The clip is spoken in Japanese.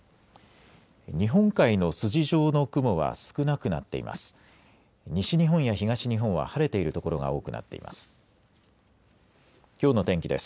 日本海の筋状の雲は少なくなっています。